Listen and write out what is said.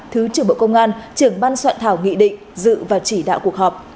bộ công an trưởng ban soạn thảo nghị định dự và chỉ đạo cuộc họp